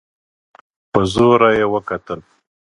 په زوره يې وکتل.